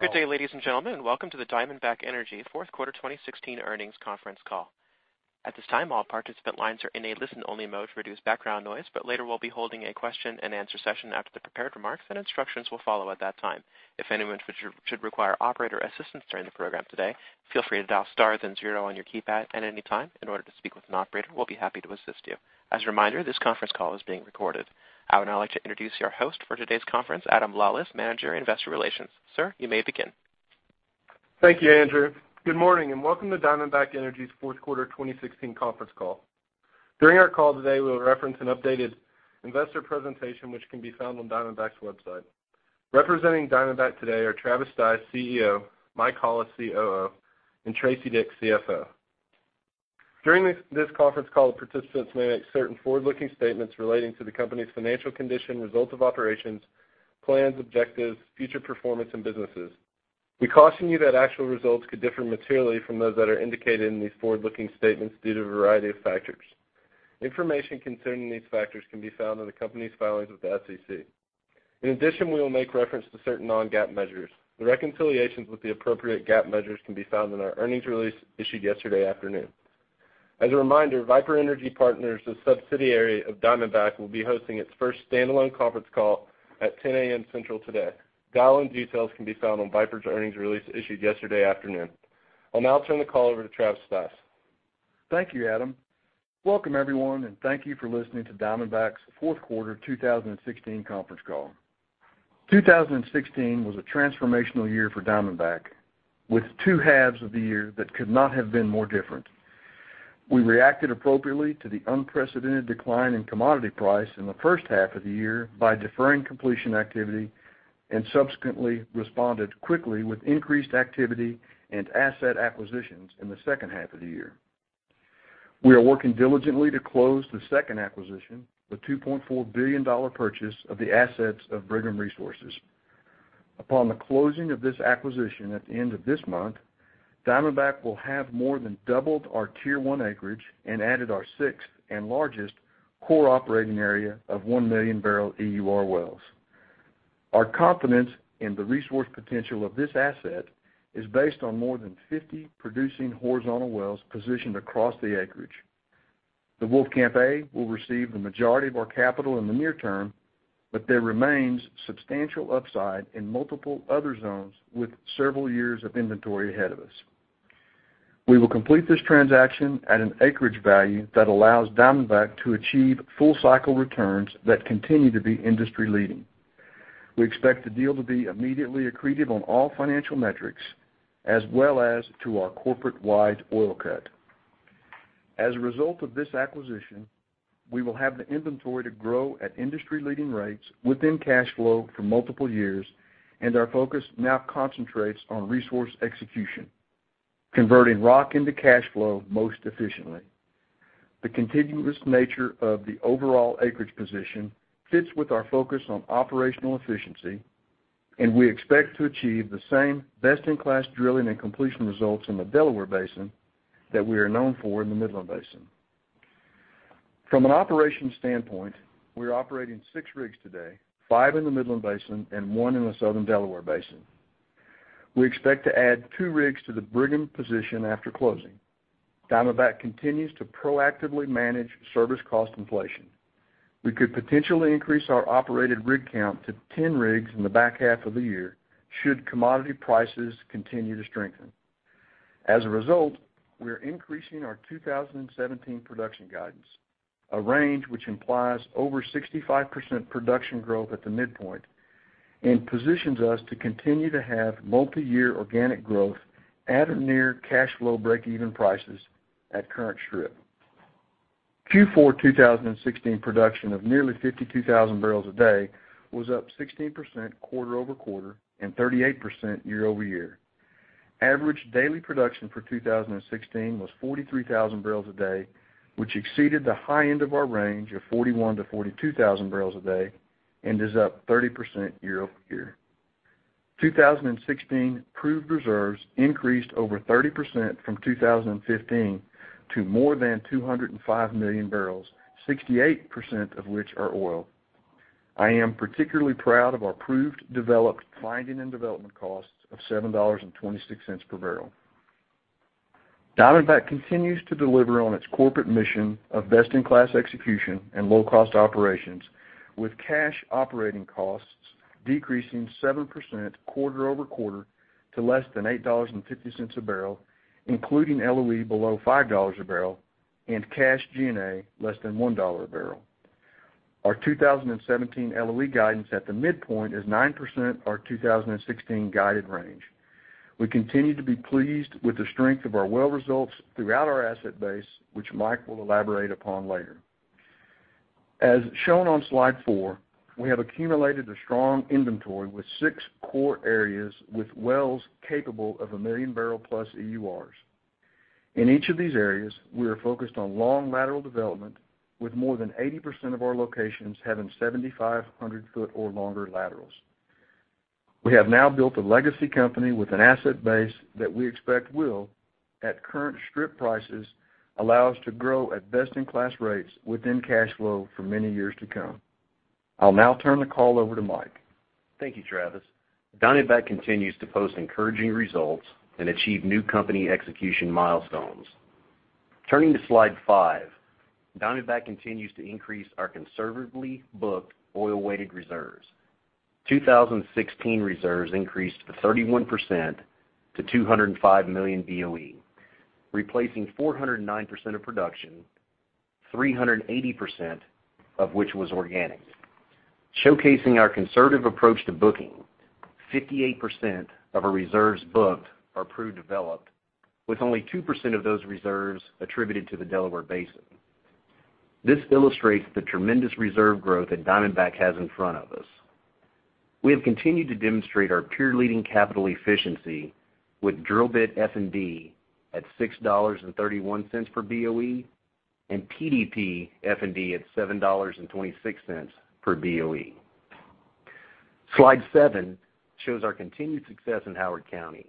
Good day, ladies and gentlemen, and welcome to the Diamondback Energy Fourth Quarter 2016 Earnings Conference Call. At this time, all participant lines are in a listen-only mode to reduce background noise, but later we'll be holding a question and answer session after the prepared remarks, and instructions will follow at that time. If anyone should require operator assistance during the program today, feel free to dial star then zero on your keypad at any time in order to speak with an operator, we'll be happy to assist you. As a reminder, this conference call is being recorded. I would now like to introduce your host for today's conference, Adam Lawlis, Manager of Investor Relations. Sir, you may begin. Thank you, Andrew. Good morning, and welcome to Diamondback Energy's Fourth Quarter 2016 conference call. During our call today, we'll reference an updated investor presentation which can be found on diamondback's website. Representing Diamondback today are Travis Stice, CEO, Mike Hollis, COO, and Teresa Dick, CFO. During this conference call, participants may make certain forward-looking statements relating to the company's financial condition, results of operations, plans, objectives, future performance, and businesses. We caution you that actual results could differ materially from those that are indicated in these forward-looking statements due to a variety of factors. Information concerning these factors can be found in the company's filings with the SEC. In addition, we will make reference to certain non-GAAP measures. The reconciliations with the appropriate GAAP measures can be found in our earnings release issued yesterday afternoon. As a reminder, Viper Energy Partners, a subsidiary of Diamondback, will be hosting its first standalone conference call at 10:00 A.M. Central today. Dial-in details can be found on Viper's earnings release issued yesterday afternoon. I'll now turn the call over to Travis Stice. Thank you, Adam. Welcome, everyone, and thank you for listening to Diamondback's Fourth Quarter 2016 conference call. 2016 was a transformational year for Diamondback, with two halves of the year that could not have been more different. We reacted appropriately to the unprecedented decline in commodity price in the first half of the year by deferring completion activity and subsequently responded quickly with increased activity and asset acquisitions in the second half of the year. We are working diligently to close the second acquisition, the $2.4 billion purchase of the assets of Brigham Resources. Upon the closing of this acquisition at the end of this month, Diamondback will have more than doubled our Tier 1 acreage and added our sixth and largest core operating area of 1 million barrel EUR wells. Our confidence in the resource potential of this asset is based on more than 50 producing horizontal wells positioned across the acreage. The Wolfcamp A will receive the majority of our capital in the near term, but there remains substantial upside in multiple other zones with several years of inventory ahead of us. We will complete this transaction at an acreage value that allows Diamondback Energy to achieve full cycle returns that continue to be industry-leading. We expect the deal to be immediately accretive on all financial metrics, as well as to our corporate-wide oil cut. As a result of this acquisition, we will have the inventory to grow at industry-leading rates within cash flow for multiple years, and our focus now concentrates on resource execution, converting rock into cash flow most efficiently. The continuous nature of the overall acreage position fits with our focus on operational efficiency, and we expect to achieve the same best-in-class drilling and completion results in the Delaware Basin that we are known for in the Midland Basin. From an operations standpoint, we are operating six rigs today, five in the Midland Basin and one in the Southern Delaware Basin. We expect to add two rigs to the Brigham position after closing. Diamondback Energy continues to proactively manage service cost inflation. We could potentially increase our operated rig count to 10 rigs in the back half of the year should commodity prices continue to strengthen. As a result, we are increasing our 2017 production guidance, a range which implies over 65% production growth at the midpoint and positions us to continue to have multi-year organic growth at or near cash flow breakeven prices at current strip. Q4 2016 production of nearly 52,000 barrels a day was up 16% quarter-over-quarter and 38% year-over-year. Average daily production for 2016 was 43,000 barrels a day, which exceeded the high end of our range of 41,000-42,000 barrels a day and is up 30% year-over-year. 2016 proved reserves increased over 30% from 2015 to more than 205 million barrels, 68% of which are oil. I am particularly proud of our proved, developed finding and development costs of $7.26 per barrel. Diamondback Energy continues to deliver on its corporate mission of best-in-class execution and low-cost operations with cash operating costs decreasing 7% quarter-over-quarter to less than $8.50 a barrel, including LOE below $5 a barrel and cash G&A less than $1 a barrel. Our 2017 LOE guidance at the midpoint is 9% our 2016 guided range. We continue to be pleased with the strength of our well results throughout our asset base, which Mike will elaborate upon later. As shown on slide four, we have accumulated a strong inventory with six core areas with wells capable of a million barrel plus EURs. In each of these areas, we are focused on long lateral development with more than 80% of our locations having 7,500 foot or longer laterals. We have now built a legacy company with an asset base that we expect will, at current strip prices, allow us to grow at best-in-class rates within cash flow for many years to come. I'll now turn the call over to Mike. Thank you, Travis. Diamondback continues to post encouraging results and achieve new company execution milestones. Turning to Slide five, Diamondback continues to increase our conservatively booked oil-weighted reserves. 2016 reserves increased 31% to 205 million BOE, replacing 409% of production, 380% of which was organic. Showcasing our conservative approach to booking, 58% of our reserves booked are proved developed, with only 2% of those reserves attributed to the Delaware Basin. This illustrates the tremendous reserve growth that Diamondback has in front of us. We have continued to demonstrate our peer-leading capital efficiency with drill bit F&D at $6.31 per BOE and PDP F&D at $7.26 per BOE. Slide seven shows our continued success in Howard County,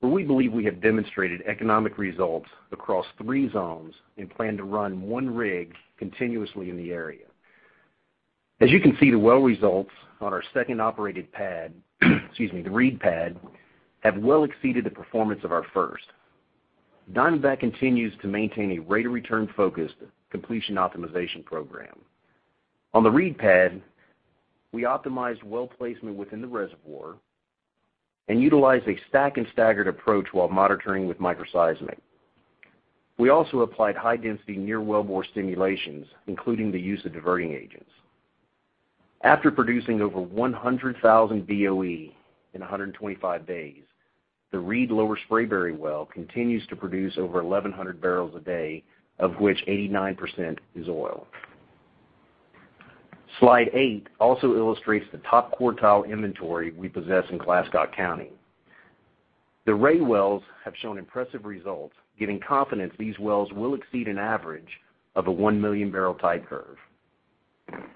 where we believe we have demonstrated economic results across three zones and plan to run one rig continuously in the area. As you can see, the well results on our second operated pad, the Reed Pad, have well exceeded the performance of our first. Diamondback continues to maintain a rate of return-focused completion optimization program. On the Reed Pad, we optimized well placement within the reservoir and utilized a stack and staggered approach while monitoring with microseismic. We also applied high-density near wellbore simulations, including the use of diverting agents. After producing over 100,000 BOE in 125 days, the Reed Lower Spraberry well continues to produce over 1,100 barrels a day, of which 89% is oil. Slide eight also illustrates the top-quartile inventory we possess in Glasscock County. The Ray wells have shown impressive results, giving confidence these wells will exceed an average of a one-million-barrel type curve.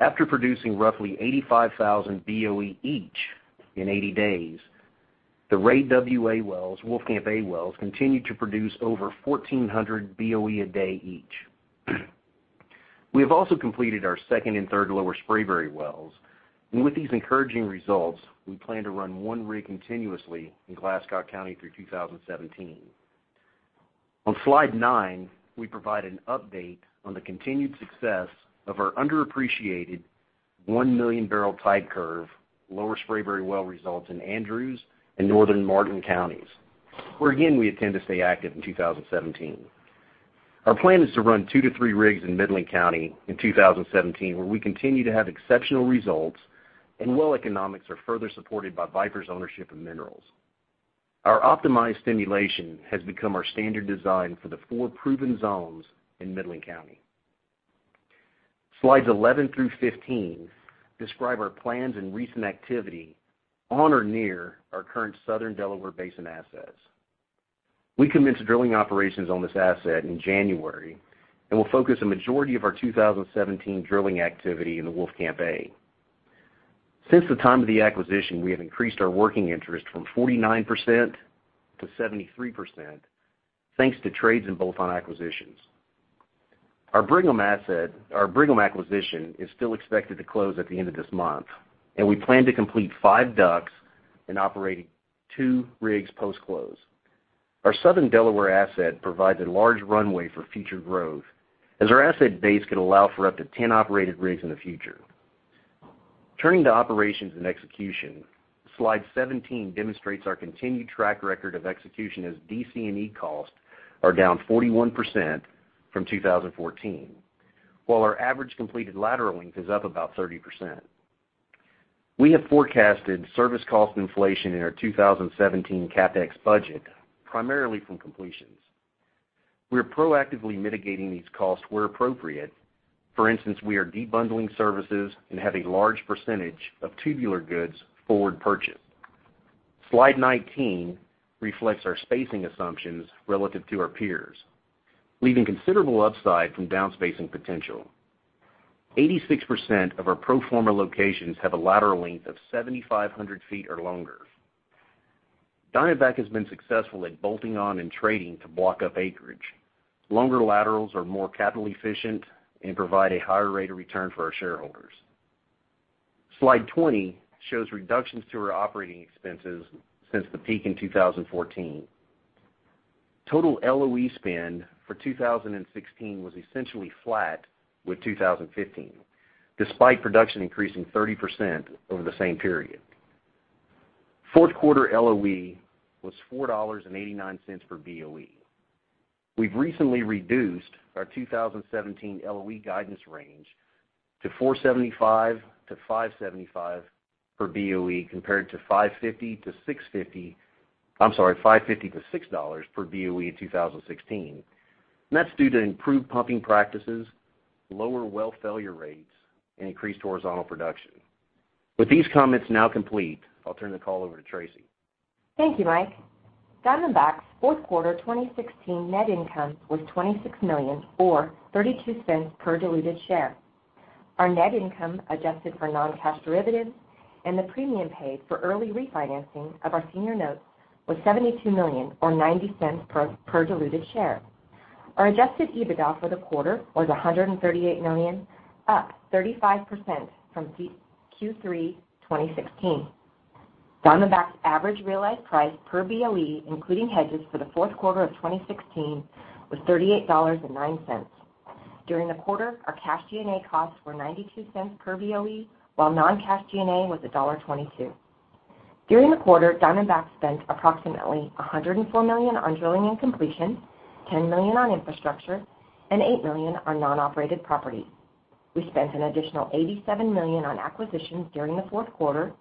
After producing roughly 85,000 BOE each in 80 days, the Ray WA wells, Wolfcamp A wells, continue to produce over 1,400 BOE a day each. We have also completed our second and third Lower Spraberry wells, and with these encouraging results, we plan to run one rig continuously in Glasscock County through 2017. On Slide nine, we provide an update on the continued success of our underappreciated one-million-barrel type curve, Lower Spraberry well results in Andrews and Northern Martin counties, where again, we intend to stay active in 2017. Our plan is to run two to three rigs in Midland County in 2017, where we continue to have exceptional results and well economics are further supported by Viper's ownership of minerals. Our optimized stimulation has become our standard design for the four proven zones in Midland County. Slides 11 through 15 describe our plans and recent activity on or near our current Southern Delaware Basin assets. We commenced drilling operations on this asset in January and will focus a majority of our 2017 drilling activity in the Wolfcamp A. Since the time of the acquisition, we have increased our working interest from 49% to 73%, thanks to trades in both on acquisitions. Our Brigham acquisition is still expected to close at the end of this month, and we plan to complete 5 DUCs and operating two rigs post-close. Our Southern Delaware asset provides a large runway for future growth, as our asset base could allow for up to 10 operated rigs in the future. Turning to operations and execution, Slide 17 demonstrates our continued track record of execution as DC&E costs are down 41% from 2014, while our average completed lateral length is up about 30%. We have forecasted service cost inflation in our 2017 CapEx budget, primarily from completions. We are proactively mitigating these costs where appropriate. For instance, we are de-bundling services and have a large percentage of tubular goods forward purchased. Slide 19 reflects our spacing assumptions relative to our peers, leaving considerable upside from down-spacing potential. 86% of our pro forma locations have a lateral length of 7,500 feet or longer. Diamondback has been successful at bolting on and trading to block up acreage. Longer laterals are more capital efficient and provide a higher rate of return for our shareholders. Slide 20 shows reductions to our operating expenses since the peak in 2014. Total LOE spend for 2016 was essentially flat with 2015, despite production increasing 30% over the same period. Fourth quarter LOE was $4.89 per BOE. We've recently reduced our 2017 LOE guidance range to $4.75 to $5.75 per BOE, compared to $5.50 to $6 per BOE in 2016, and that's due to improved pumping practices, lower well failure rates, and increased horizontal production. With these comments now complete, I'll turn the call over to Teresa. Thank you, Mike. Diamondback's fourth quarter 2016 net income was $26 million, or $0.32 per diluted share. Our net income, adjusted for non-cash derivatives and the premium paid for early refinancing of our senior notes, was $72 million, or $0.90 per diluted share. Our adjusted EBITDA for the quarter was $138 million, up 35% from Q3 2016. Diamondback's average realized price per BOE, including hedges for the fourth quarter of 2016, was $38.09. During the quarter, our cash G&A costs were $0.92 per BOE, while non-cash G&A was $1.22. During the quarter, Diamondback spent approximately $104 million on drilling and completion, $10 million on infrastructure, and $8 million on non-operated properties. We spent an additional $87 million on acquisitions during the fourth quarter,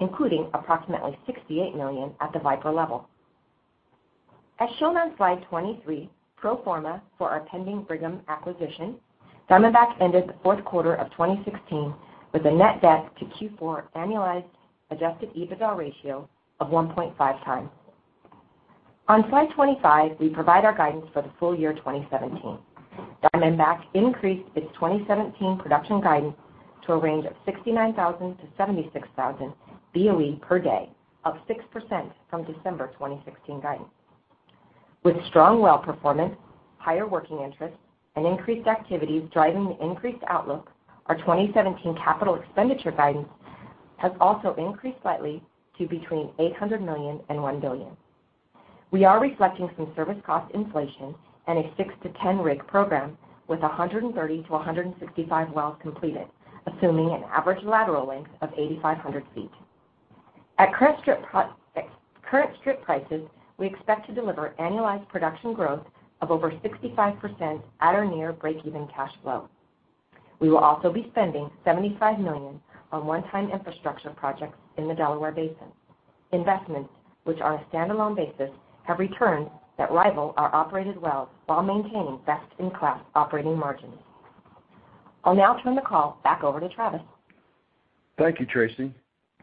including approximately $68 million at the Viper level. As shown on slide 23, pro forma for our pending Brigham acquisition, Diamondback ended the fourth quarter of 2016 with a net debt to Q4 annualized adjusted EBITDA ratio of 1.5 times. On slide 25, we provide our guidance for the full year 2017. Diamondback increased its 2017 production guidance to a range of 69,000 to 76,000 BOE per day, up 6% from December 2016 guidance. With strong well performance, higher working interest, and increased activities driving the increased outlook, our 2017 capital expenditure guidance has also increased slightly to between $800 million and $1 billion. We are reflecting some service cost inflation and a 6 to 10 rig program with 130 to 165 wells completed, assuming an average lateral length of 8,500 feet. At current strip prices, we expect to deliver annualized production growth of over 65% at or near breakeven cash flow. We will also be spending $75 million on one-time infrastructure projects in the Delaware Basin. Investments, which on a standalone basis have returned that rival our operated wells while maintaining best-in-class operating margins. I'll now turn the call back over to Travis. Thank you, Tracy.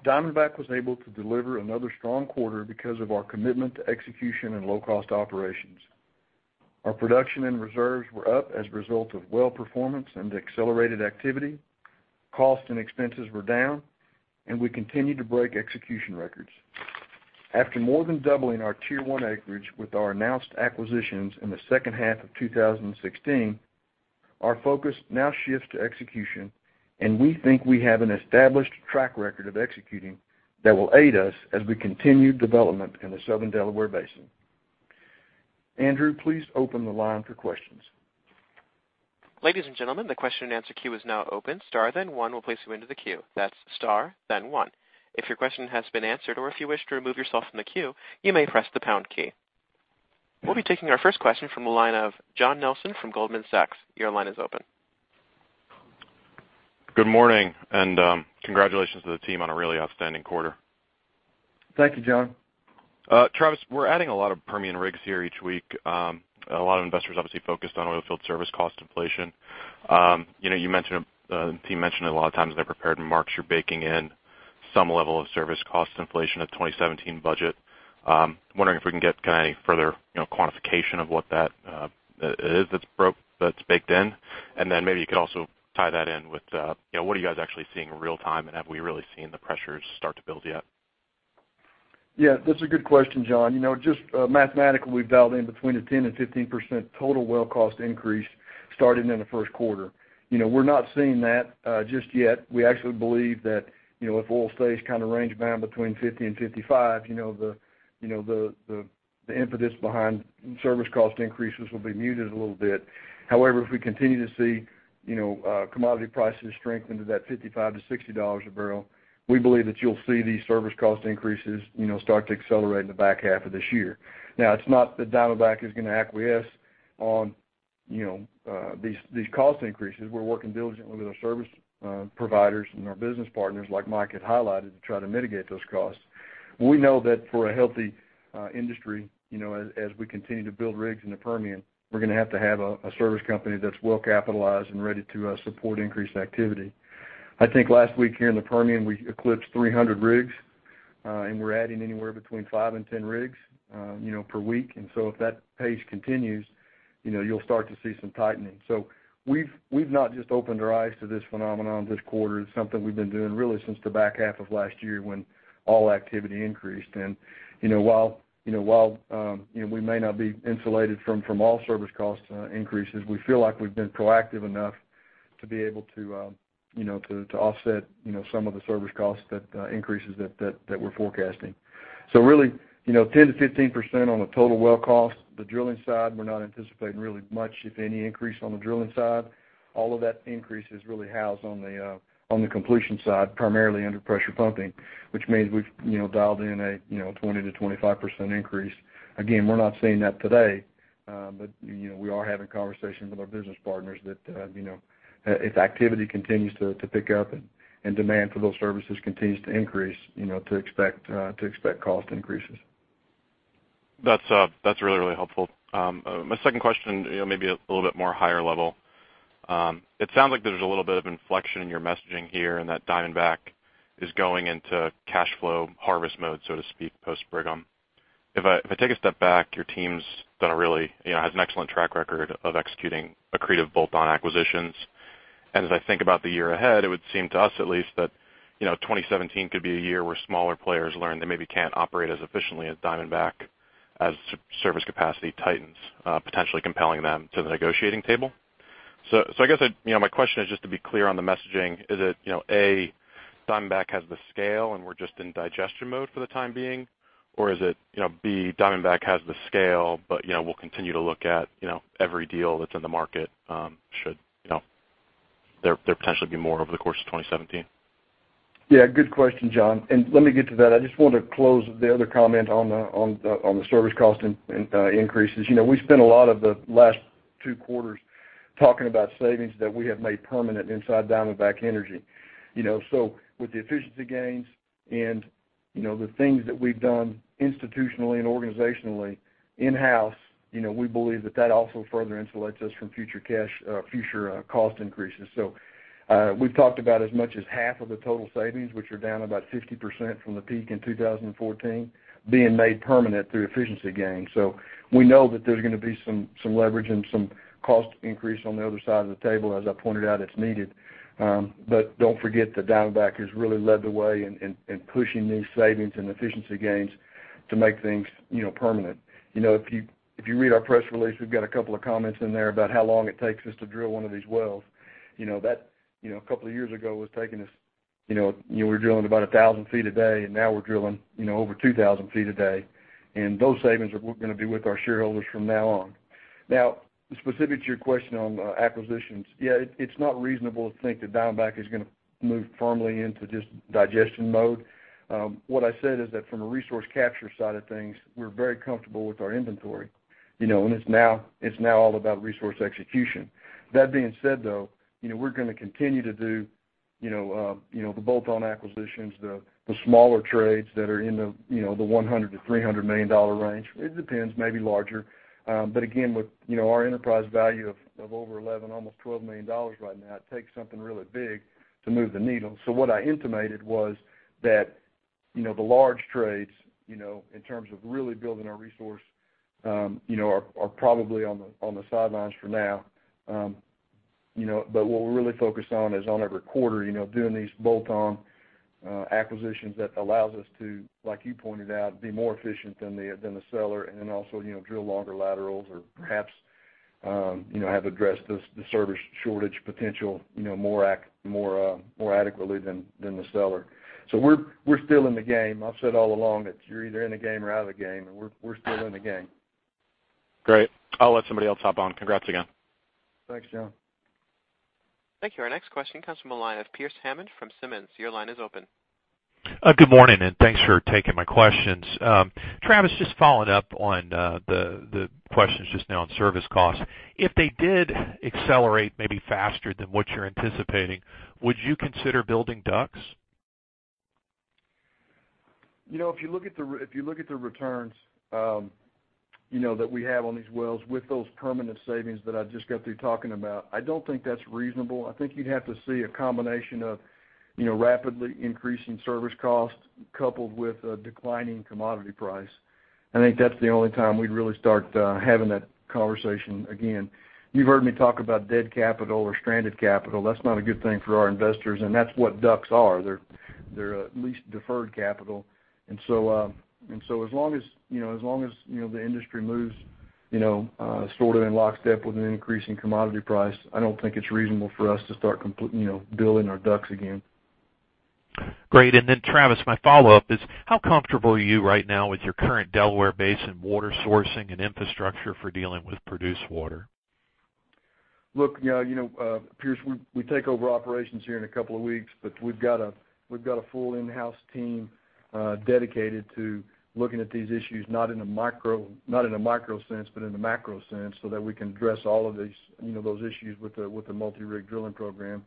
Diamondback was able to deliver another strong quarter because of our commitment to execution and low-cost operations. Our production and reserves were up as a result of well performance and accelerated activity. Costs and expenses were down, and we continued to break execution records. After more than doubling our Tier 1 acreage with our announced acquisitions in the second half of 2016, our focus now shifts to execution, and we think we have an established track record of executing that will aid us as we continue development in the Southern Delaware Basin. Andrew, please open the line for questions. Ladies and gentlemen, the question and answer queue is now open. Star then one will place you into the queue. That's star then one. If your question has been answered or if you wish to remove yourself from the queue, you may press the pound key. We'll be taking our first question from the line of John Nelson from Goldman Sachs. Your line is open. Good morning, and congratulations to the team on a really outstanding quarter. Thank you, John. Travis, we're adding a lot of Permian rigs here each week. A lot of investors obviously focused on oilfield service cost inflation. The team mentioned it a lot of times in their prepared remarks, you're baking in some level of service cost inflation at 2017 budget. I'm wondering if we can get any further quantification of what that is that's baked in. Maybe you could also tie that in with what are you guys actually seeing in real time, and have we really seen the pressures start to build yet? Yeah, that's a good question, John. Just mathematically, we've dialed in between a 10% and 15% total well cost increase starting in the first quarter. We're not seeing that just yet. We actually believe that if oil stays range bound between $50 and $55, the impetus behind service cost increases will be muted a little bit. However, if we continue to see commodity prices strengthen to that $55 to $60 a barrel, we believe that you'll see these service cost increases start to accelerate in the back half of this year. Now, it's not that Diamondback is going to acquiesce on these cost increases. We're working diligently with our service providers and our business partners, like Mike had highlighted, to try to mitigate those costs. We know that for a healthy industry, as we continue to build rigs in the Permian, we're going to have to have a service company that's well-capitalized and ready to support increased activity. I think last week here in the Permian, we eclipsed 300 rigs, and we're adding anywhere between 5 and 10 rigs per week. If that pace continues, you'll start to see some tightening. We've not just opened our eyes to this phenomenon this quarter. It's something we've been doing really since the back half of last year when all activity increased. While we may not be insulated from all service cost increases, we feel like we've been proactive enough to be able to offset some of the service cost increases that we're forecasting. Really, 10%-15% on the total well cost. The drilling side, we're not anticipating really much, if any, increase on the drilling side. All of that increase is really housed on the completion side, primarily under pressure pumping, which means we've dialed in a 20%-25% increase. Again, we're not seeing that today, but we are having conversations with our business partners that if activity continues to pick up and demand for those services continues to increase, to expect cost increases. That's really helpful. My second question, maybe a little bit more higher level. It sounds like there's a little bit of inflection in your messaging here and that Diamondback Energy is going into cash flow harvest mode, so to speak, post Brigham. If I take a step back, your team has an excellent track record of executing accretive bolt-on acquisitions. As I think about the year ahead, it would seem to us at least that 2017 could be a year where smaller players learn they maybe can't operate as efficiently as Diamondback Energy as service capacity tightens, potentially compelling them to the negotiating table. I guess my question is just to be clear on the messaging. Is it, A, Diamondback Energy has the scale and we're just in digestion mode for the time being, or is it, B, Diamondback Energy has the scale but we'll continue to look at every deal that's in the market should there potentially be more over the course of 2017? Yeah, good question, John. Let me get to that. I just want to close the other comment on the service cost increases. We spent a lot of the last two quarters talking about savings that we have made permanent inside Diamondback Energy. With the efficiency gains and the things that we've done institutionally and organizationally in-house, we believe that that also further insulates us from future cost increases. We've talked about as much as half of the total savings, which are down about 50% from the peak in 2014, being made permanent through efficiency gains. We know that there's going to be some leverage and some cost increase on the other side of the table, as I pointed out, as needed. Don't forget that Diamondback has really led the way in pushing these savings and efficiency gains to make things permanent. If you read our press release, we've got a couple of comments in there about how long it takes us to drill one of these wells. A couple of years ago, we were drilling about 1,000 feet a day, and now we're drilling over 2,000 feet a day, and those savings are going to be with our shareholders from now on. Specific to your question on acquisitions, yeah, it's not reasonable to think that Diamondback is going to move firmly into just digestion mode. What I said is that from a resource capture side of things, we're very comfortable with our inventory, it's now all about resource execution. That being said, though, we're going to continue to do the bolt-on acquisitions, the smaller trades that are in the $100 million to $300 million range. It depends, maybe larger. Again, with our enterprise value of over $11 million, almost $12 million right now, it takes something really big to move the needle. What I intimated was that the large trades, in terms of really building our resource, are probably on the sidelines for now. What we're really focused on is on every quarter, doing these bolt-on acquisitions that allows us to, like you pointed out, be more efficient than the seller then also drill longer laterals or perhaps have addressed the service shortage potential more adequately than the seller. We're still in the game. I've said all along that you're either in the game or out of the game, and we're still in the game. Great. I'll let somebody else hop on. Congrats again. Thanks, John. Thank you. Our next question comes from the line of Pearce Hammond from Simmons. Your line is open. Good morning, and thanks for taking my questions. Travis, just following up on the questions just now on service costs. If they did accelerate maybe faster than what you're anticipating, would you consider building DUCs? If you look at the returns that we have on these wells with those permanent savings that I just got through talking about, I don't think that's reasonable. I think you'd have to see a combination of rapidly increasing service costs coupled with a declining commodity price. I think that's the only time we'd really start having that conversation again. You've heard me talk about dead capital or stranded capital. That's not a good thing for our investors, and that's what DUCs are. They're at least deferred capital. As long as the industry moves sort of in lockstep with an increase in commodity price, I don't think it's reasonable for us to start building our DUCs again. Travis, my follow-up is how comfortable are you right now with your current Delaware Basin water sourcing and infrastructure for dealing with produced water? Look, Pearce, we take over operations here in a couple of weeks, we've got a full in-house team dedicated to looking at these issues, not in a micro sense, but in a macro sense, so that we can address all of those issues with the multi-rig drilling program.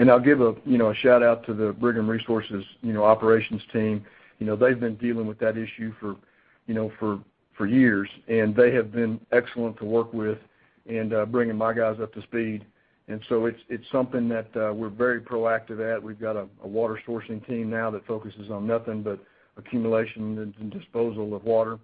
I'll give a shout-out to the Brigham Resources operations team. They've been dealing with that issue for years, they have been excellent to work with in bringing my guys up to speed. So it's something that we're very proactive at. We've got a water sourcing team now that focuses on nothing but accumulation and disposal of water.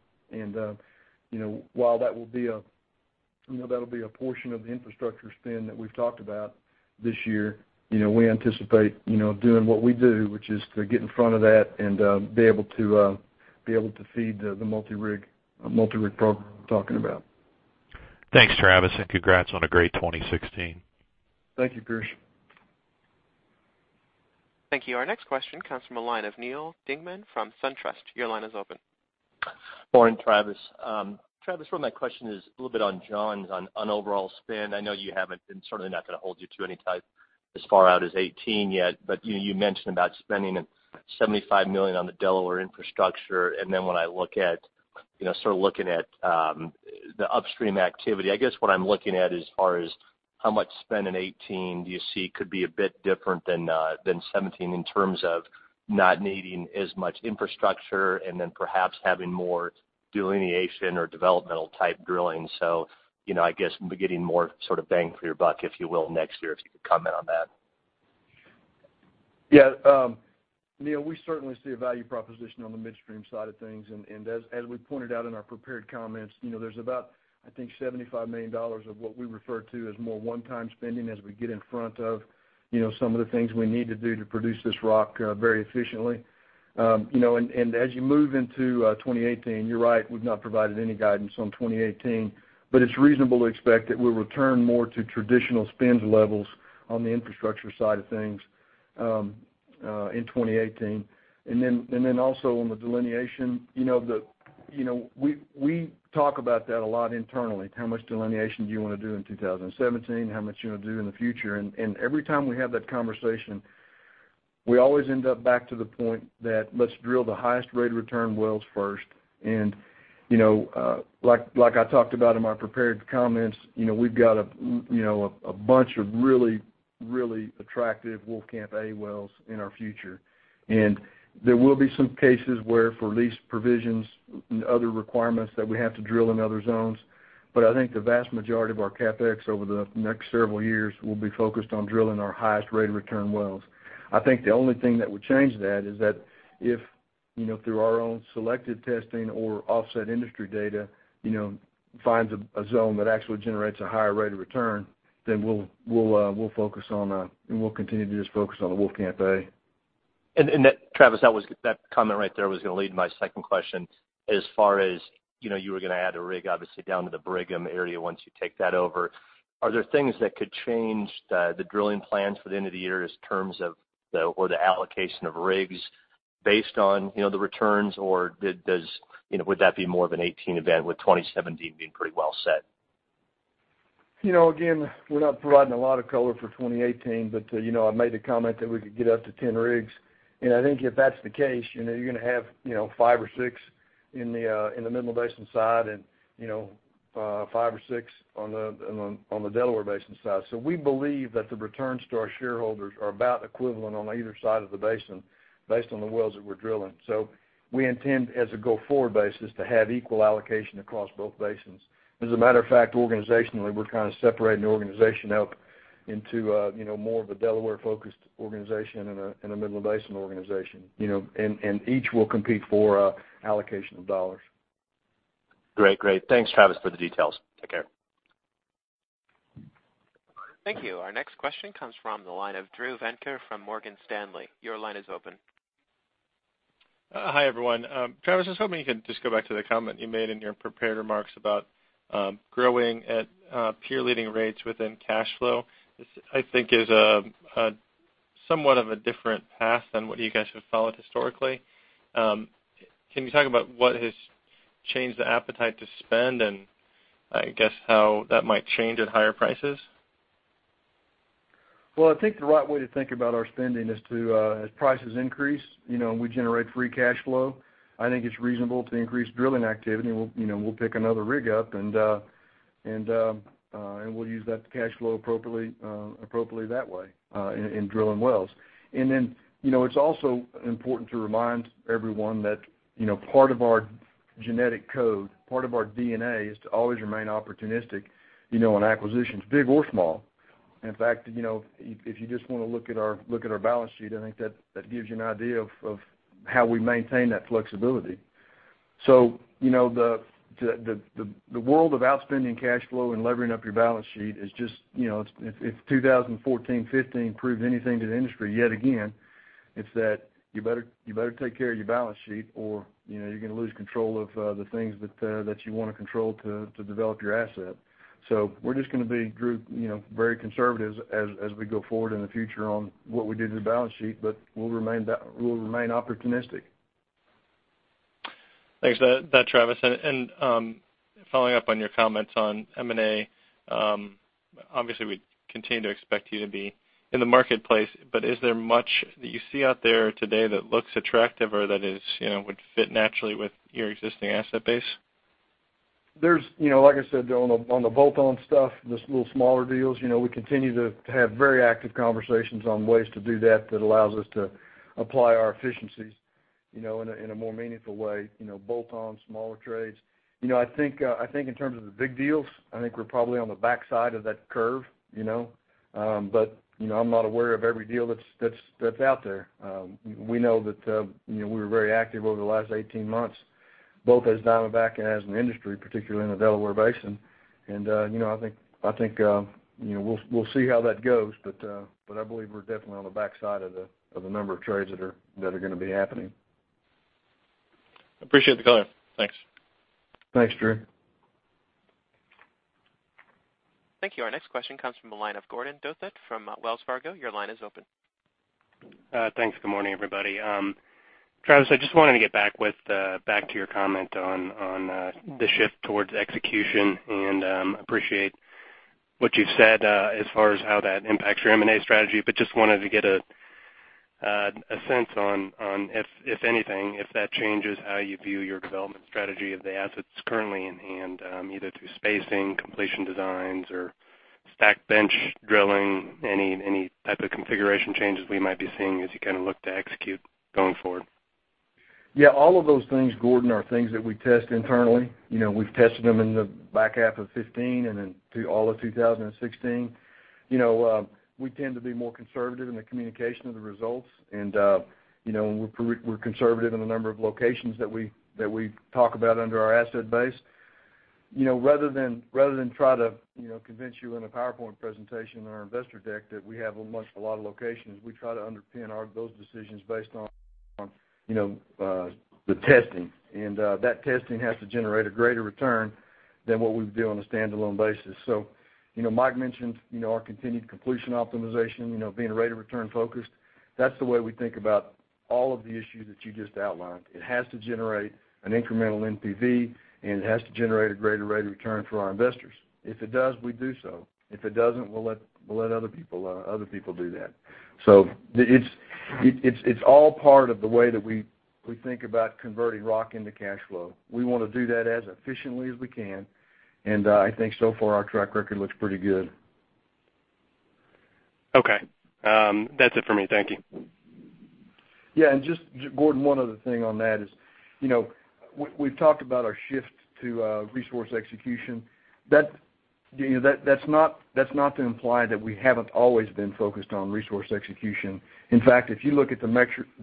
While that'll be a portion of the infrastructure spend that we've talked about this year, we anticipate doing what we do, which is to get in front of that and be able to feed the multi-rig program I'm talking about. Thanks, Travis, congrats on a great 2016. Thank you, Pearce. Thank you. Our next question comes from the line of Neal Dingmann from SunTrust. Your line is open. Morning, Travis. One of my questions is a little bit on John's on overall spend. I know you haven't been, certainly not going to hold you to any type as far out as 2018 yet, but you mentioned about spending $75 million on the Delaware infrastructure. When I look at the upstream activity, I guess what I'm looking at as far as how much spend in 2018 do you see could be a bit different than 2017 in terms of not needing as much infrastructure and then perhaps having more delineation or developmental type drilling. I guess we'll be getting more sort of bang for your buck, if you will, next year, if you could comment on that. Neal, we certainly see a value proposition on the midstream side of things, as we pointed out in our prepared comments, there's about, I think, $75 million of what we refer to as more one-time spending as we get in front of some of the things we need to do to produce this rock very efficiently. As you move into 2018, you're right, we've not provided any guidance on 2018, but it's reasonable to expect that we'll return more to traditional spend levels on the infrastructure side of things in 2018. Also on the delineation, we talk about that a lot internally. How much delineation do you want to do in 2017? How much do you want to do in the future? Every time we have that conversation, we always end up back to the point that let's drill the highest rate of return wells first. Like I talked about in my prepared comments, we've got a bunch of really attractive Wolfcamp A wells in our future, there will be some cases where for lease provisions and other requirements that we have to drill in other zones. I think the vast majority of our CapEx over the next several years will be focused on drilling our highest rate of return wells. I think the only thing that would change that is that if, through our own selective testing or offset industry data, finds a zone that actually generates a higher rate of return, then we'll continue to just focus on the Wolfcamp A. Travis, that comment right there was going to lead to my second question. As far as you were going to add a rig, obviously, down to the Brigham area once you take that over. Are there things that could change the drilling plans for the end of the year in terms of the allocation of rigs based on the returns? Or would that be more of a 2018 event with 2017 being pretty well set? Again, we're not providing a lot of color for 2018. I made the comment that we could get up to 10 rigs, and I think if that's the case, you're going to have five or six in the Midland Basin side and five or six on the Delaware Basin side. We believe that the returns to our shareholders are about equivalent on either side of the basin based on the wells that we're drilling. We intend, as a go-forward basis, to have equal allocation across both basins. As a matter of fact, organizationally, we're kind of separating the organization out into more of a Delaware-focused organization and a Midland Basin organization, and each will compete for allocation of dollars. Great. Thanks, Travis, for the details. Take care. Thank you. Our next question comes from the line of Drew Venker from Morgan Stanley. Your line is open. Hi, everyone. Travis, I was hoping you could just go back to the comment you made in your prepared remarks about growing at peer-leading rates within cash flow. This, I think, is somewhat of a different path than what you guys have followed historically. Can you talk about what has changed the appetite to spend and, I guess, how that might change at higher prices? Well, I think the right way to think about our spending is to, as prices increase, we generate free cash flow. I think it's reasonable to increase drilling activity, and we'll pick another rig up, and we'll use that cash flow appropriately that way in drilling wells. It's also important to remind everyone that part of our genetic code, part of our DNA, is to always remain opportunistic on acquisitions, big or small. In fact, if you just want to look at our balance sheet, I think that gives you an idea of how we maintain that flexibility. The world of outspending cash flow and levering up your balance sheet is just If 2014, 2015 proved anything to the industry, yet again, it's that you better take care of your balance sheet or you're going to lose control of the things that you want to control to develop your asset. We're just going to be, Drew, very conservative as we go forward in the future on what we do to the balance sheet, we'll remain opportunistic. Thanks for that, Travis. Following up on your comments on M&A, obviously we continue to expect you to be in the marketplace, is there much that you see out there today that looks attractive or that would fit naturally with your existing asset base? Like I said, on the bolt-on stuff, just little smaller deals, we continue to have very active conversations on ways to do that that allows us to apply our efficiencies in a more meaningful way, bolt-on smaller trades. I think in terms of the big deals, I think we're probably on the backside of that curve. I'm not aware of every deal that's out there. We know that we were very active over the last 18 months, both as Diamondback and as an industry, particularly in the Delaware Basin. I think we'll see how that goes, but I believe we're definitely on the backside of the number of trades that are going to be happening. Appreciate the color. Thanks. Thanks, Drew. Thank you. Our next question comes from the line of Gordon Douthat from Wells Fargo. Your line is open. Thanks. Good morning, everybody. Travis, I just wanted to get back to your comment on the shift towards execution and appreciate what you've said as far as how that impacts your M&A strategy. Just wanted to get a sense on, if anything, if that changes how you view your development strategy of the assets currently in hand, either through spacing, completion designs, or stack bench drilling. Any type of configuration changes we might be seeing as you kind of look to execute going forward? Yeah. All of those things, Gordon, are things that we test internally. We've tested them in the back half of 2015, and then through all of 2016. We tend to be more conservative in the communication of the results, and we're conservative in the number of locations that we talk about under our asset base. Rather than try to convince you in a PowerPoint presentation or investor deck that we have almost a lot of locations, we try to underpin those decisions based on the testing. That testing has to generate a greater return than what we would do on a standalone basis. Mike mentioned our continued completion optimization, being rate-of-return focused. That's the way we think about all of the issues that you just outlined. It has to generate an incremental NPV, and it has to generate a greater rate of return for our investors. If it does, we do so. If it doesn't, we'll let other people do that. It's all part of the way that we think about converting rock into cash flow. We want to do that as efficiently as we can, and I think so far our track record looks pretty good. Okay. That's it for me. Thank you. Yeah. Gordon, one other thing on that is, we've talked about our shift to resource execution. That's not to imply that we haven't always been focused on resource execution. In fact, if you look at the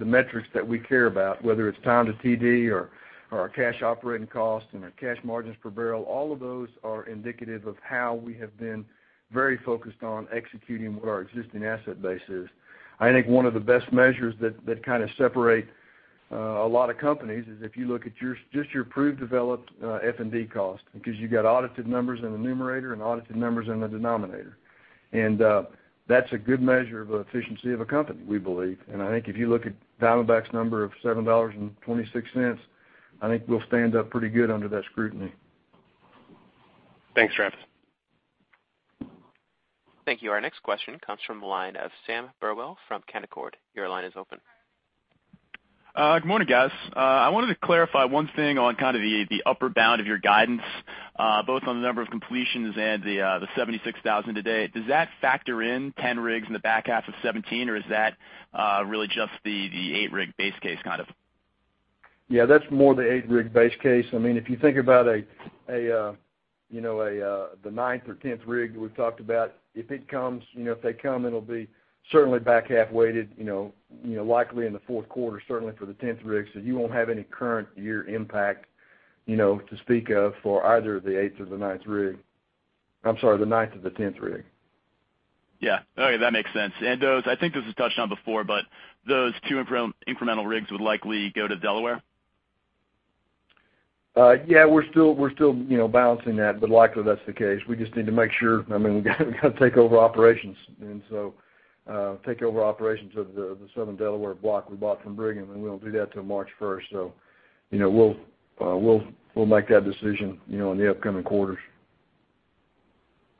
metrics that we care about, whether it's time to TD or our cash operating cost and our cash margins per barrel, all of those are indicative of how we have been very focused on executing what our existing asset base is. I think one of the best measures that kind of separate a lot of companies is if you look at just your proved developed F&D cost, because you've got audited numbers in the numerator and audited numbers in the denominator. That's a good measure of efficiency of a company, we believe. If you look at Diamondback's number of $7.26, I think we'll stand up pretty good under that scrutiny. Thanks, Travis. Thank you. Our next question comes from the line of Sam Burwell from Canaccord. Your line is open. Good morning, guys. I wanted to clarify one thing on kind of the upper bound of your guidance, both on the number of completions and the 76,000 today. Does that factor in 10 rigs in the back half of 2017, or is that really just the eight-rig base case? That's more the eight-rig base case. If you think about the ninth or 10th rig that we've talked about, if they come, it'll be certainly back half-weighted, likely in the fourth quarter, certainly for the 10th rig. You won't have any current year impact to speak of for either the eighth or the ninth rig. I'm sorry, the ninth or the 10th rig. Yeah. Okay. That makes sense. I think this was touched on before, but those two incremental rigs would likely go to Delaware? Yeah, we're still balancing that, likely that's the case. We just need to make sure, we've got to take over operations, take over operations of the Southern Delaware block we bought from Brigham, and we won't do that till March 1st. We'll make that decision in the upcoming quarters.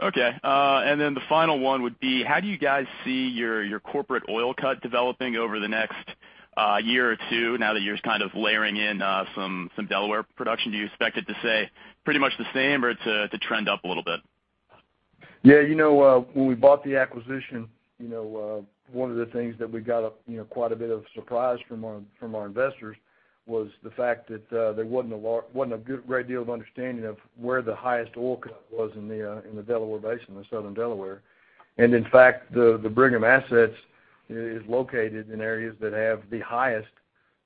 Okay. The final one would be: how do you guys see your corporate oil cut developing over the next year or two, now that you're just kind of layering in some Delaware production? Do you expect it to stay pretty much the same or to trend up a little bit? Yeah. When we bought the acquisition, one of the things that we got quite a bit of surprise from our investors was the fact that there wasn't a great deal of understanding of where the highest oil cut was in the Delaware Basin, the Southern Delaware. In fact, the Brigham assets is located in areas that have the highest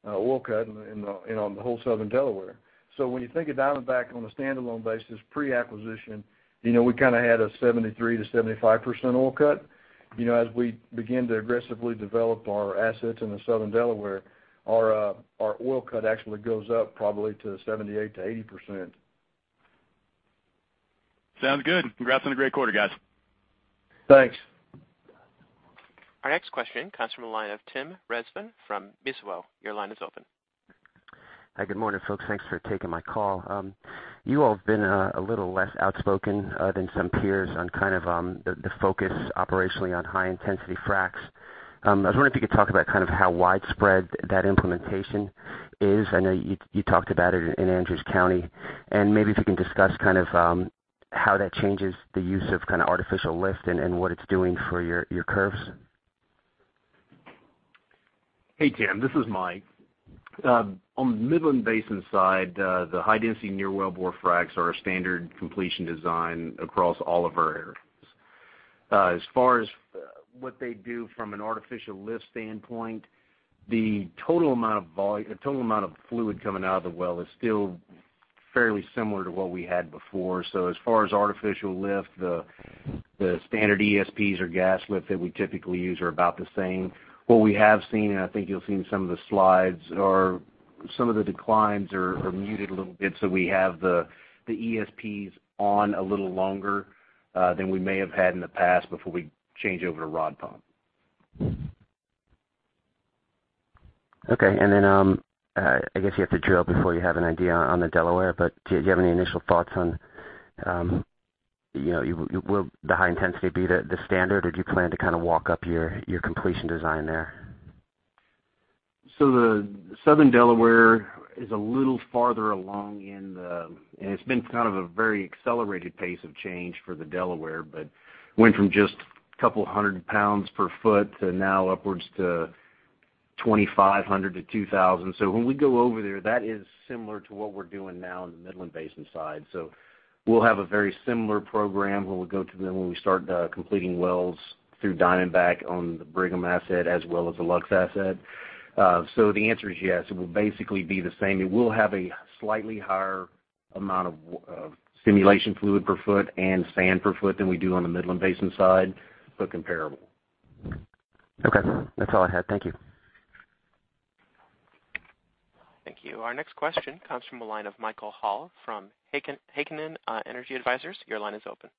oil cut in the whole Southern Delaware. When you think of Diamondback on a standalone basis, pre-acquisition, we kind of had a 73%-75% oil cut. As we begin to aggressively develop our assets in the Southern Delaware, our oil cut actually goes up probably to 78%-80%. Sounds good. Congrats on a great quarter, guys. Thanks. Our next question comes from the line of Tim Rezvan from Mizuho. Your line is open. Hi. Good morning, folks. Thanks for taking my call. You all have been a little less outspoken than some peers on kind of the focus operationally on high-intensity fracs. I was wondering if you could talk about how widespread that implementation is. I know you talked about it in Andrews County, and maybe if you can discuss how that changes the use of artificial lift and what it's doing for your curves. Hey, Tim, this is Mike. On the Midland Basin side, the high-density near wellbore fracs are a standard completion design across all of our areas. As far as what they do from an artificial lift standpoint, the total amount of fluid coming out of the well is still fairly similar to what we had before. As far as artificial lift, the standard ESPs or gas lift that we typically use are about the same. What we have seen, and I think you'll see in some of the slides, are some of the declines are muted a little bit, so we have the ESPs on a little longer than we may have had in the past before we change over to rod pump. Okay, I guess you have to drill before you have an idea on the Delaware, but do you have any initial thoughts on will the high intensity be the standard, or do you plan to kind of walk up your completion design there? The Southern Delaware is a little farther along, and it's been kind of a very accelerated pace of change for the Delaware, but went from just A couple of hundred pounds per foot to now upwards to 2,500 to 2,000. When we go over there, that is similar to what we're doing now in the Midland Basin side. We'll have a very similar program when we go to them, when we start completing wells through Diamondback on the Brigham asset as well as the Luxe asset. The answer is yes, it will basically be the same. It will have a slightly higher amount of stimulation fluid per foot and sand per foot than we do on the Midland Basin side, but comparable. Okay. That's all I had. Thank you. Thank you. Our next question comes from the line of Michael Hall from Heikkinen Energy Advisors. Your line is open.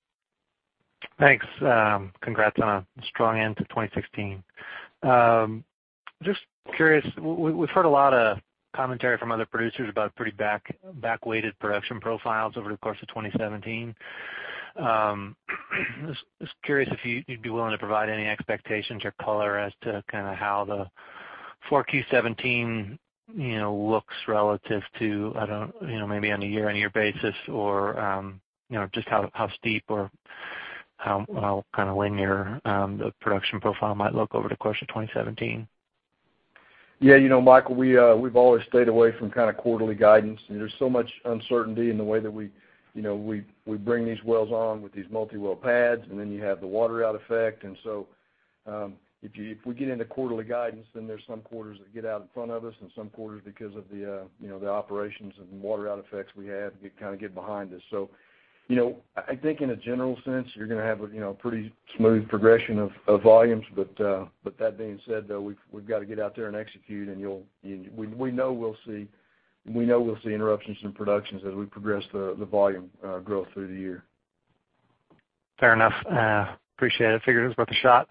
Thanks. Congrats on a strong end to 2016. Just curious, we've heard a lot of commentary from other producers about pretty back-weighted production profiles over the course of 2017. Just curious if you'd be willing to provide any expectations or color as to how the 4Q17 looks relative to, maybe on a year-on-year basis or, just how steep or how linear the production profile might look over the course of 2017? Yeah, Michael, we've always stayed away from quarterly guidance. There's so much uncertainty in the way that we bring these wells on with these multi-well pads, and then you have the water out effect. If we get into quarterly guidance, there's some quarters that get out in front of us and some quarters because of the operations and water out effects we have, get behind us. I think in a general sense, you're going to have a pretty smooth progression of volumes. That being said, though, we've got to get out there and execute. We know we'll see interruptions in productions as we progress the volume growth through the year. Fair enough. Appreciate it. Figured it was worth a shot.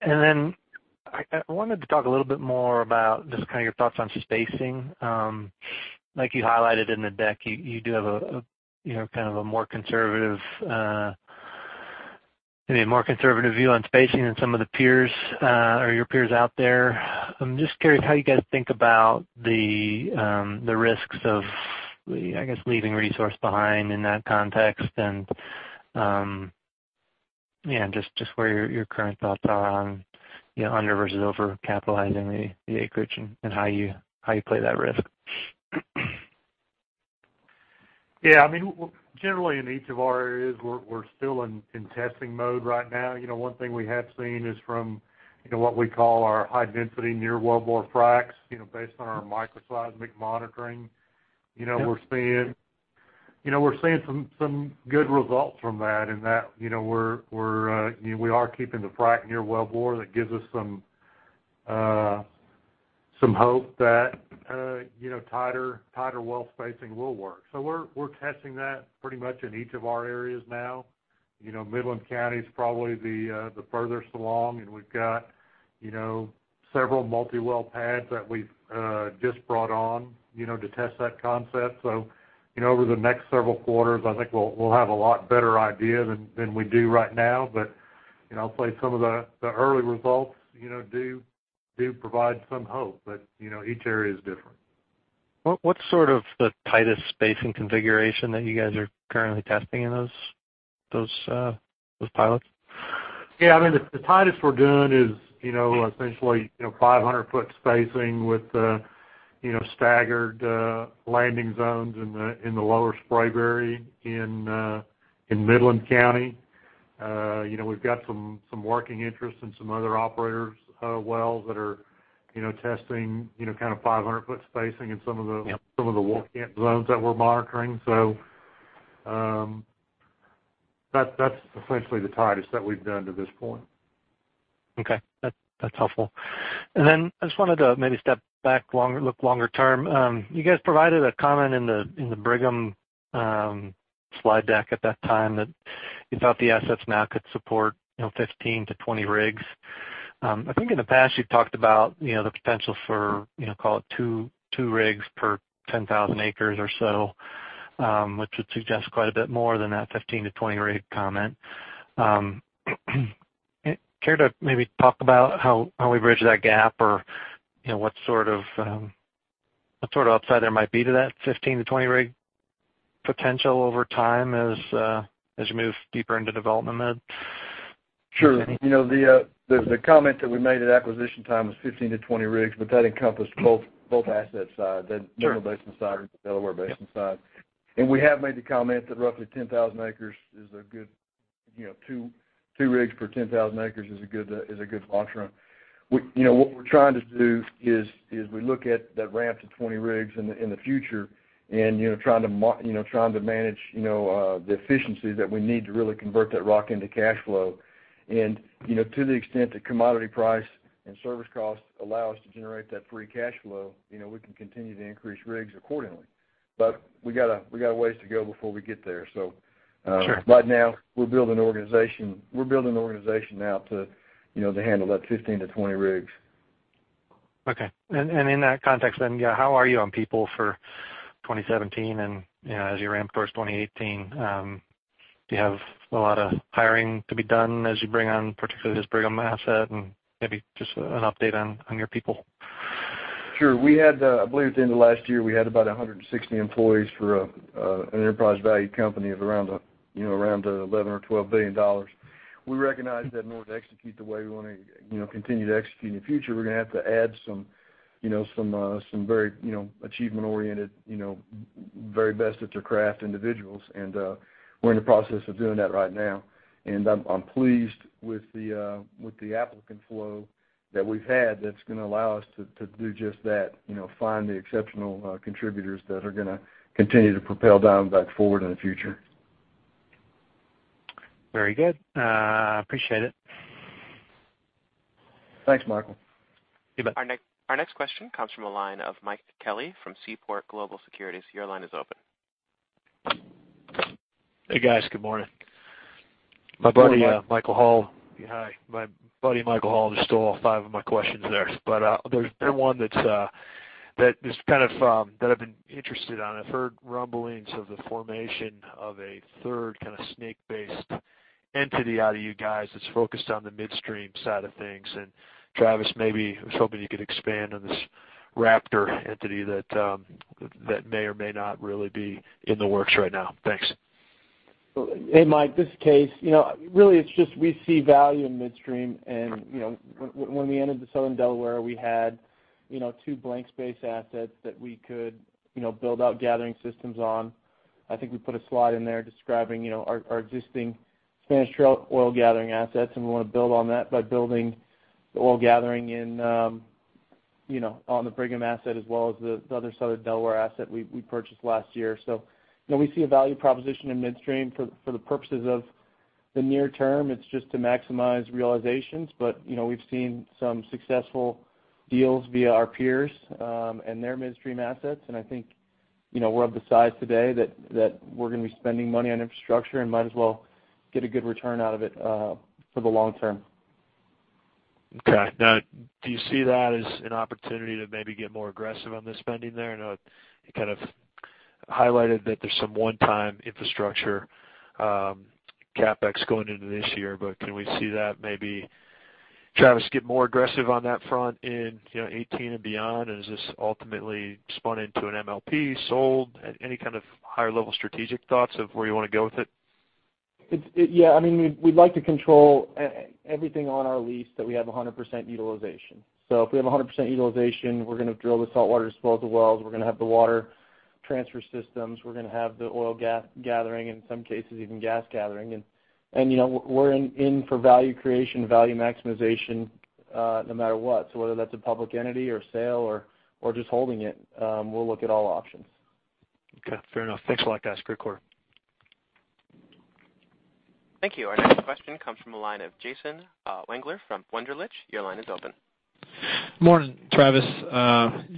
Then I wanted to talk a little bit more about just your thoughts on spacing. Like you highlighted in the deck, you do have a more conservative view on spacing than some of your peers out there. I'm just curious how you guys think about the risks of, I guess, leaving resource behind in that context and just where your current thoughts are on under versus over-capitalizing the acreage and how you play that risk. Yeah. Generally in each of our areas, we're still in testing mode right now. One thing we have seen is from what we call our high density near wellbore fracs, based on our microseismic monitoring. We're seeing some good results from that and we are keeping the frac near wellbore that gives us some hope that tighter well spacing will work. We're testing that pretty much in each of our areas now. Midland County's probably the furthest along, and we've got several multi-well pads that we've just brought on to test that concept. Over the next several quarters, I think we'll have a lot better idea than we do right now. But I'll say some of the early results do provide some hope. But each area is different. What's the tightest spacing configuration that you guys are currently testing in those pilots? Yeah, the tightest we're doing is essentially 500-foot spacing with staggered landing zones in the Lower Spraberry in Midland County. We've got some working interest in some other operators' wells that are testing 500-foot spacing in some of the Wolfcamp zones that we're monitoring. That's essentially the tightest that we've done to this point. Okay. That's helpful. I just wanted to maybe step back, look longer term. You guys provided a comment in the Brigham slide deck at that time that you thought the assets now could support 15-20 rigs. I think in the past you've talked about the potential for call it two rigs per 10,000 acres or so, which would suggest quite a bit more than that 15-20 rig comment. Care to maybe talk about how we bridge that gap or what sort of upside there might be to that 15-20 rig potential over time as you move deeper into development then? Sure. The comment that we made at acquisition time was 15-20 rigs, but that encompassed both asset sides, the Midland Basin side and the Delaware Basin side. We have made the comment that two rigs per 10,000 acres is a good launch run. What we're trying to do is we look at that ramp to 20 rigs in the future and trying to manage the efficiencies that we need to really convert that rock into cash flow. To the extent that commodity price and service costs allow us to generate that free cash flow, we can continue to increase rigs accordingly. We got a ways to go before we get there. Sure. Right now, we're building an organization now to handle that 15-20 rigs. Okay. In that context then, how are you on people for 2017 and as you ramp towards 2018? Do you have a lot of hiring to be done as you bring on, particularly this Brigham asset and maybe just an update on your people? Sure. I believe at the end of last year, we had about 160 employees for an enterprise value company of around $11 or $12 billion. We recognize that in order to execute the way we want to continue to execute in the future, we're going to have to add some very achievement-oriented, very best-at-their-craft individuals. We're in the process of doing that right now. I'm pleased with the applicant flow that we've had that's going to allow us to do just that, find the exceptional contributors that are going to continue to propel Diamondback forward in the future. Very good. Appreciate it. Thanks, Michael. You bet. Our next question comes from the line of Mike Kelly from Seaport Global Securities. Your line is open. Hey, guys. Good morning. Good morning, Mike. My buddy Michael Hall just stole all five of my questions there. There's been one that I've been interested in. I've heard rumblings of the formation of a third snake-based entity out of you guys that's focused on the midstream side of things. Travis, maybe I was hoping you could expand on this Raptor entity that may or may not really be in the works right now. Thanks. Hey, Mike. It's just we see value in midstream, and when we entered the Southern Delaware, we had two blank space assets that we could build out gathering systems on. I think we put a slide in there describing our existing Spanish Trail oil gathering assets, and we want to build on that by building the oil gathering on the Brigham asset as well as the other Southern Delaware asset we purchased last year. We see a value proposition in midstream. For the purposes of the near term, it's just to maximize realizations. We've seen some successful deals via our peers and their midstream assets, and I think we're of the size today that we're going to be spending money on infrastructure, and might as well get a good return out of it for the long term. Okay. Do you see that as an opportunity to maybe get more aggressive on the spending there? I know you highlighted that there's some one-time infrastructure CapEx going into this year, can we see that maybe, Travis, get more aggressive on that front in 2018 and beyond? Is this ultimately spun into an MLP, sold? Any kind of higher-level strategic thoughts of where you want to go with it? We'd like to control everything on our lease that we have 100% utilization. If we have 100% utilization, we're going to drill the saltwater disposal wells, we're going to have the water transfer systems, we're going to have the oil gathering, in some cases even gas gathering. We're in for value creation, value maximization, no matter what. Whether that's a public entity or sale or just holding it, we'll look at all options. Okay. Fair enough. Thanks a lot, guys. Great quarter. Thank you. Our next question comes from the line of Jason Wangler from Wunderlich. Your line is open. Morning, Travis.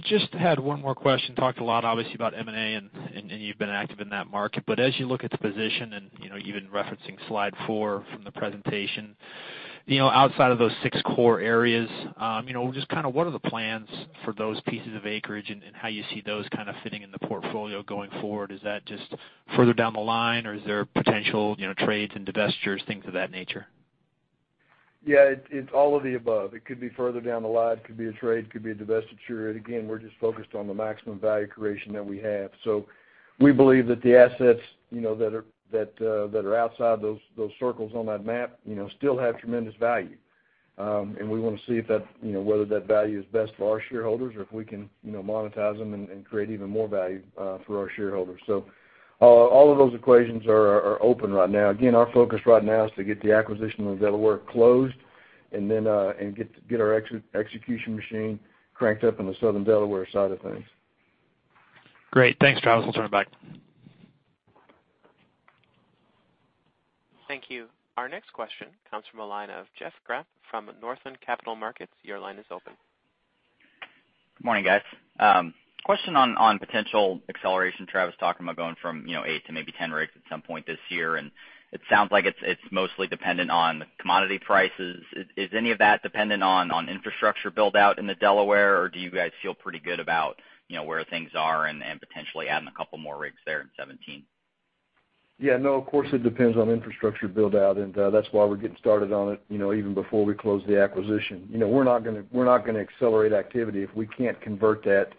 Just had one more question. Talked a lot, obviously, about M&A, and you've been active in that market. As you look at the position and even referencing slide four from the presentation, outside of those six core areas, just what are the plans for those pieces of acreage and how you see those fitting in the portfolio going forward? Is that just further down the line, or is there potential trades and divestitures, things of that nature? Yeah, it's all of the above. It could be further down the line, could be a trade, could be a divestiture. Again, we're just focused on the maximum value creation that we have. We believe that the assets that are outside those circles on that map still have tremendous value. We want to see whether that value is best for our shareholders or if we can monetize them and create even more value for our shareholders. All of those equations are open right now. Again, our focus right now is to get the acquisition of Delaware closed and get our execution machine cranked up on the Southern Delaware side of things. Great. Thanks, Travis. I'll turn it back. Thank you. Our next question comes from the line of Jeff Grampp from Northland Capital Markets. Your line is open. Good morning, guys. Question on potential acceleration, Travis, talking about going from 8 to maybe 10 rigs at some point this year, it sounds like it's mostly dependent on commodity prices. Is any of that dependent on infrastructure build-out in the Delaware, or do you guys feel pretty good about where things are and potentially adding a couple more rigs there in 2017? Yeah, no, of course, it depends on infrastructure build-out, that's why we're getting started on it even before we close the acquisition. We're not going to accelerate activity if we can't convert that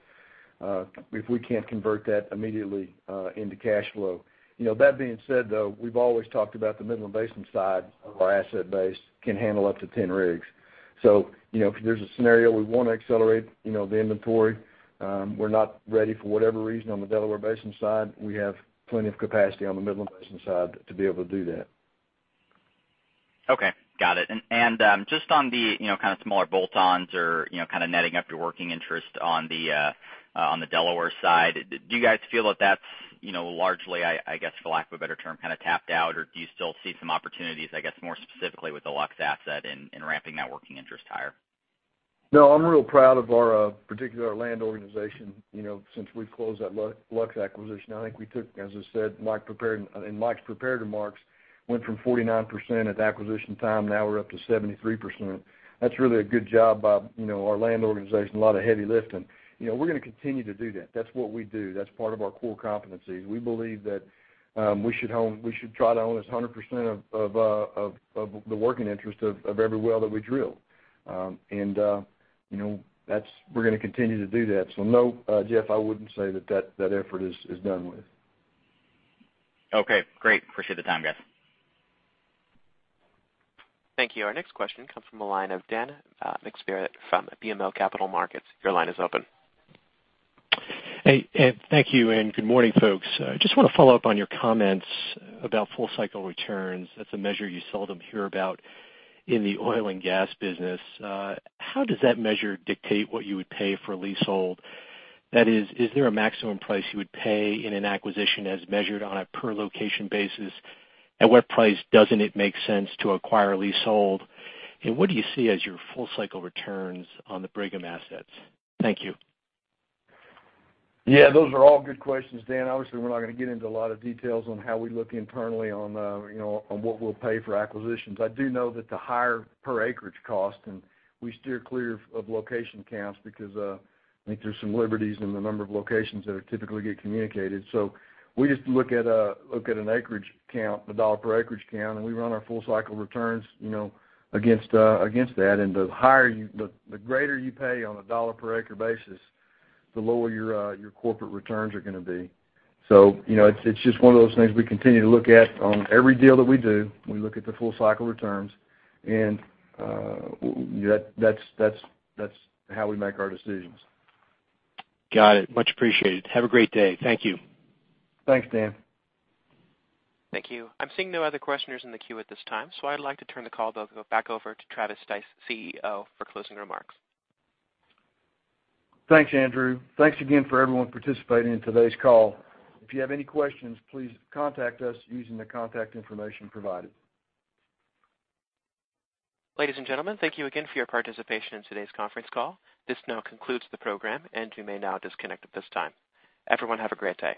immediately into cash flow. That being said, though, we've always talked about the Midland Basin side of our asset base can handle up to 10 rigs. If there's a scenario we want to accelerate the inventory, we're not ready for whatever reason on the Delaware Basin side, we have plenty of capacity on the Midland Basin side to be able to do that. Okay. Got it. Just on the smaller bolt-ons or netting up your working interest on the Delaware side, do you guys feel that that's largely, I guess for lack of a better term, tapped out, or do you still see some opportunities, I guess, more specifically with the Luxe asset in ramping that working interest higher? No, I'm real proud of, particularly our land organization, since we closed that Luxe acquisition. I think we took, as I said, in Mike's prepared remarks, went from 49% at acquisition time, now we're up to 73%. That's really a good job by our land organization. A lot of heavy lifting. We're going to continue to do that. That's what we do. That's part of our core competencies. We believe that we should try to own as 100% of the working interest of every well that we drill. We're going to continue to do that. No, Jeff, I wouldn't say that effort is done with. Okay, great. Appreciate the time, guys. Thank you. Our next question comes from the line of Dan McSpirit from BMO Capital Markets. Your line is open. Hey, Ed. Thank you, and good morning, folks. Just want to follow up on your comments about full cycle returns. That's a measure you seldom hear about in the oil and gas business. How does that measure dictate what you would pay for a leasehold? That is there a maximum price you would pay in an acquisition as measured on a per location basis? At what price doesn't it make sense to acquire a leasehold? What do you see as your full cycle returns on the Brigham assets? Thank you. Yeah, those are all good questions, Dan. Obviously, we're not going to get into a lot of details on how we look internally on what we'll pay for acquisitions. I do know that the higher per acreage cost, and we steer clear of location counts because, I think there's some liberties in the number of locations that typically get communicated. We just look at an acreage count, the $ per acreage count, and we run our full cycle returns against that. The greater you pay on a $ per acre basis, the lower your corporate returns are going to be. It's just one of those things we continue to look at on every deal that we do. We look at the full cycle returns, and that's how we make our decisions. Got it. Much appreciated. Have a great day. Thank you. Thanks, Dan. Thank you. I'm seeing no other questioners in the queue at this time, so I'd like to turn the call back over to Travis Stice, CEO, for closing remarks. Thanks, Andrew. Thanks again for everyone participating in today's call. If you have any questions, please contact us using the contact information provided. Ladies and gentlemen, thank you again for your participation in today's conference call. This now concludes the program. You may now disconnect at this time. Everyone have a great day.